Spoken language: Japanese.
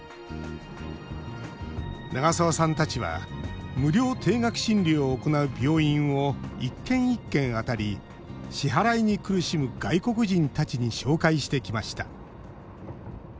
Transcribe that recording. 長澤さんたちは無料低額診療を行う病院を一軒一軒あたり支払いに苦しむ外国人たちに紹介してきました。